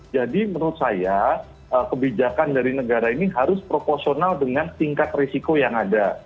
jadi menurut saya kebijakan dari negara ini harus proportional dengan tingkat risiko yang ada